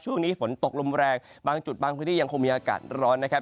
ช่วงนี้ฝนตกลมแรงบางจุดบางพื้นที่ยังคงมีอากาศร้อนนะครับ